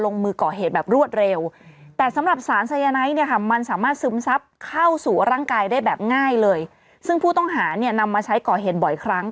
นำมาใช้ก่อเหตุบ่อยครั้ง